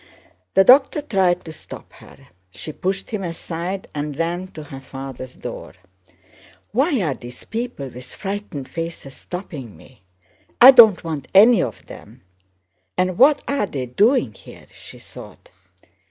The doctor tried to stop her. She pushed him aside and ran to her father's door. "Why are these people with frightened faces stopping me? I don't want any of them! And what are they doing here?" she thought.